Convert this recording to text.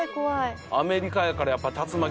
アメリカやからやっぱ竜巻。